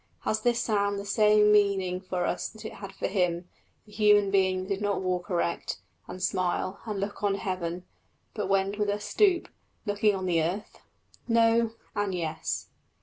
Has this sound the same meaning for us that it had for him the human being that did not walk erect, and smile, and look on heaven, but went with a stoop, looking on the earth? No, and Yes.